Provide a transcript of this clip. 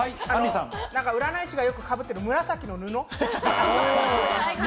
占い師がよくかぶってる紫の布。